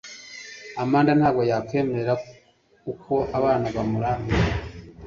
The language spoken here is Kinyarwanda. Amanda ntabwo yakwemera uko abana bamurambiwe